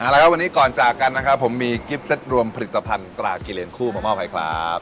แล้วครับวันนี้ก่อนจากกันนะครับผมมีกิ๊บเซ็ตรวมผลิตภัณฑ์ตรากิเลนคู่มามอบให้ครับ